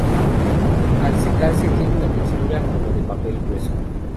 Al secarse tiene una textura como de papel grueso.